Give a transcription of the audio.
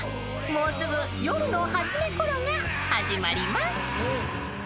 ［もうすぐ「夜のはじめ頃」が始まります］